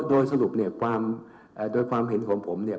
โดยสรุปเนี่ยโดยความเห็นของผมเนี่ย